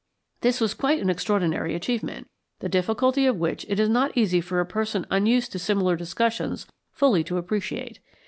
This was a quite extraordinary achievement, the difficulty of which it is not easy for a person unused to similar discussions fully to appreciate.